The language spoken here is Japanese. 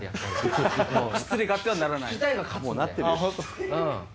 失礼があってはならない。